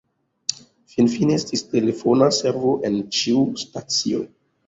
Finfine, estis telefona servo en ĉiu stacio.